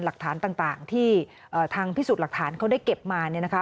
หลักฐานต่างที่ทางพิสูจน์หลักฐานเขาได้เก็บมาเนี่ยนะคะ